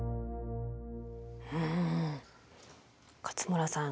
うん勝村さん